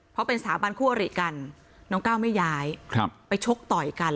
เพราะเป็นสถาบันคู่อริกันน้องก้าวไม่ย้ายไปชกต่อยกัน